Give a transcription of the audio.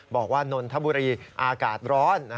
บอกว่านนทบุรีอากาศร้อน